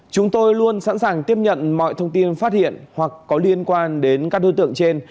chúng tôi luôn sẵn sàng tiếp nhận mọi thông tin phát hiện hoặc có liên quan đến các đối tượng trên